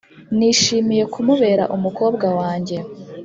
nishimiye kumubera umukobwa wanjye,